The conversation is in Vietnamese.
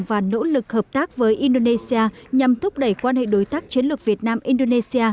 và nỗ lực hợp tác với indonesia nhằm thúc đẩy quan hệ đối tác chiến lược việt nam indonesia